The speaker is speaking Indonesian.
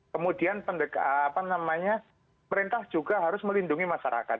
kemudian perintah juga harus melindungi masyarakat